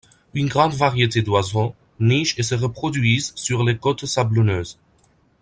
Une grande variétés d'oiseaux nichent et se reproduisent sur les côtes sablonneuses.